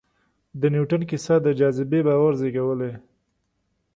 د نیوټن کیسه د جاذبې باور زېږولی.